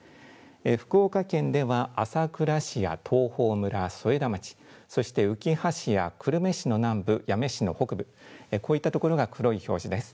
福岡県では朝倉市や東峰村、添田町、そしてうきは市や久留米市の南部、八女市の北部、こういった所が黒い表示です。